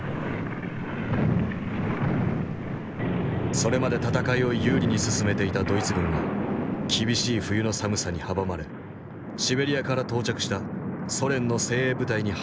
それまで戦いを有利に進めていたドイツ軍は厳しい冬の寒さに阻まれシベリアから到着したソ連の精鋭部隊に敗退を重ねていく。